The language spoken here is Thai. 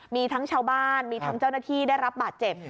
มีทั้งชาวบ้านมีทั้งเจ้าหน้าที่ได้รับบาดเจ็บ